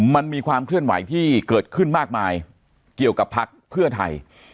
มันมีความเคลื่อนไหวที่เกิดขึ้นมากมายเกี่ยวกับพักเพื่อไทย